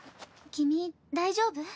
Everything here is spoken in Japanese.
君大丈夫？